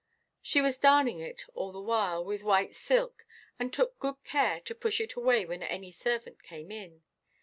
She was darning it all the while with white silk, and took good care to push it away when any servant came in.